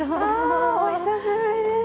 お久しぶりです。